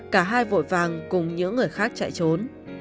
cả hai vội vàng cùng những người khác chạy trốn